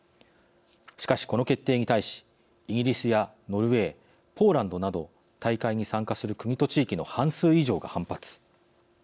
しかし、この決定に対しイギリスやノルウェーポーランドなど大会に参加する国と地域の半数以上が反発。